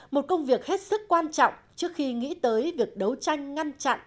một công việc hết sức quan trọng trước khi nghĩ tới việc đấu tranh ngăn chặn